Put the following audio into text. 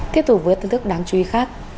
tiếp tục với thông tin đáng chú ý khác